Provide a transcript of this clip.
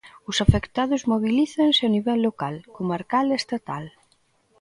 Os afectados mobilízanse a nivel local, comarcal e estatal.